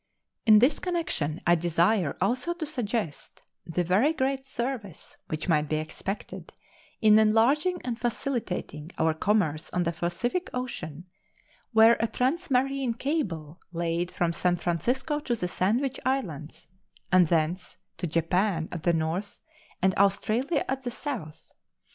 In this connection I desire also to suggest the very great service which might be expected in enlarging and facilitating our commerce on the Pacific Ocean were a transmarine cable laid from San Francisco to the Sandwich Islands, and thence to Japan at the north and Australia at the south.